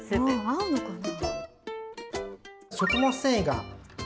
合うのかな？